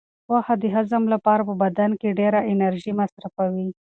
غوښه د هضم لپاره په بدن کې ډېره انرژي مصرفوي.